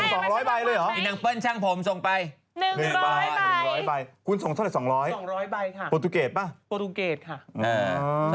หยอดไหลที่คุกว่ากรุงเทพร่อนวันทะบุรีประถุมธรรม